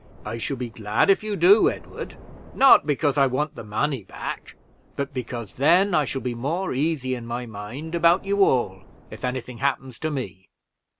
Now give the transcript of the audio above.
"I shall be glad if you do, Edward; not because I want the money back, but because then I shall be more easy in my mind about you all, if any thing happens to me.